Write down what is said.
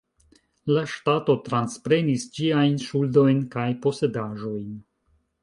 La ŝtato transprenis ĝiajn ŝuldojn kaj posedaĵojn.